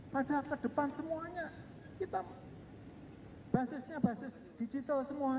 padahal ke depan semuanya basisnya basis digital semuanya